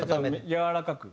やわらかく？